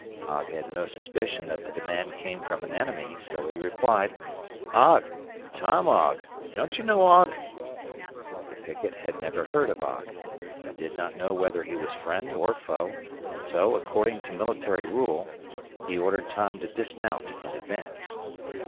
Ogg had no suspicion that the demand came from an enemy, so he replied, "Ogg, Tom Ogg. Don't you know Ogg?" The picket had never heard of Ogg. He did not know whether he was friend or foe, so, according to military rule, he ordered Tom to dismount and advance.